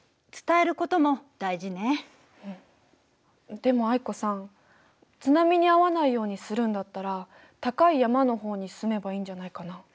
でも藍子さん津波に遭わないようにするんだったら高い山の方に住めばいいんじゃないかな？